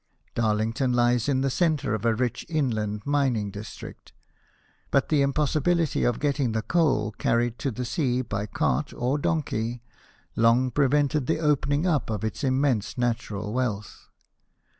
Darlington lies in the centre of a rich inland mining district ; but the impossibility of getting the c oal carried to the sea by cart or donkey 50 BIOGRAPHIES OF WORKING MEN. long prevented the opening up of its immense natural wealth.